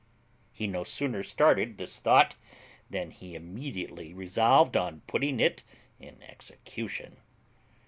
He no sooner started this thought than he immediately resolved on putting it in execution.